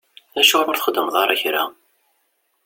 Acuɣeṛ ur txeddmeḍ ara kra?